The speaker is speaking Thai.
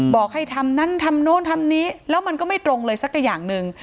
บอกให้ทำนั้นทำโน้นทำนี้แล้วมันก็ไม่ตรงเลยสักอย่างหนึ่ง